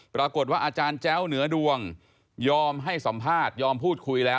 ปรากฏว่าอาจารย์แจ้วเหนือดวงยอมให้สัมภาษณ์ยอมพูดคุยแล้ว